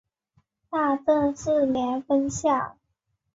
大正四年分校。